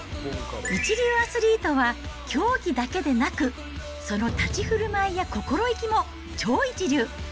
一流アスリートは競技だけでなく、その立ち振る舞いや心意気も超一流。